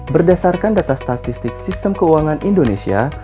berdasarkan data statistik sistem keuangan indonesia